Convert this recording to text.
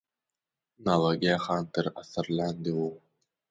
ناوګی خان تر اثر لاندې وو.